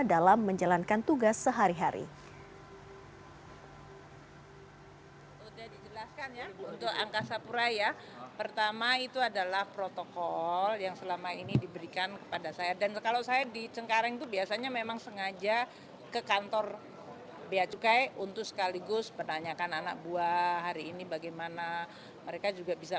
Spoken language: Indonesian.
dalam menjalankan tugas sehari hari